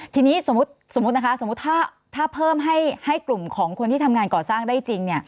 ทีนี้สมมุตินะคะสมมุติถ้าเพิ่มให้กลุ่มของคนที่ทำงานก่อสร้างได้จริง